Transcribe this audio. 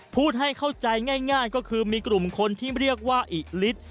พูดให้เข้าใจง่ายก็คือมีกลุ่มคนที่เรียกว่าอิฤทธิ์